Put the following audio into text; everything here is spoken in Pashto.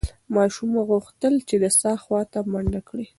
ماشوم غوښتل چې د څاه خواته منډه کړي.